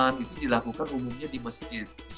kemudian di masjid